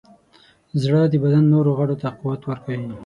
زړه د بدن نورو غړو ته قوت ورکوي.